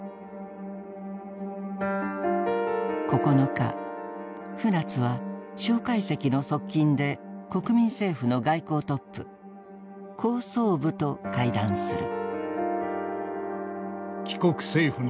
９日船津は蒋介石の側近で国民政府の外交トップ高宗武と会談する。